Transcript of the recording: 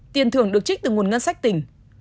tiền thưởng được trích từ nguồn ngân sách tỉnh